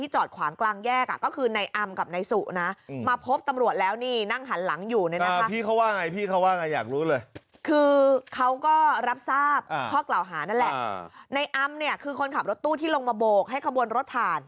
ในอำกับคนขับรถตู้ที่ลงมาโบกให้ขบวนรถผ่าน